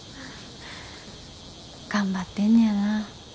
頑張ってんねやな。